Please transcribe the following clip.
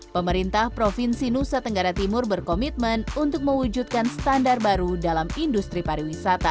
pemerintah provinsi nusa tenggara timur berkomitmen untuk mewujudkan standar baru dalam industri pariwisata